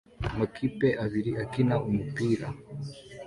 amakipe abiri akina umupira